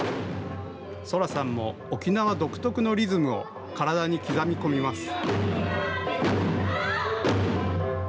青空さんも沖縄独特のリズムを体に刻み込みます。